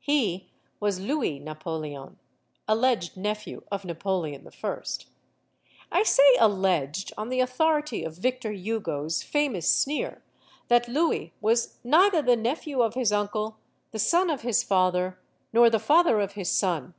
He was Louis Napoleon, alleged nephew of Napo leon I. I say "alleged" on the authority of Victor Hugo's famous sneer that Louis was "neither the nephew of his uncle, the son of his father, nor the father of his son."